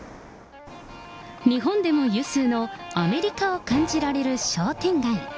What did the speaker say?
日本でも有数のアメリカを感じられる商店街。